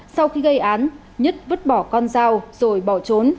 sau khi gây án nhất vứt bỏ con dao rồi bỏ trốn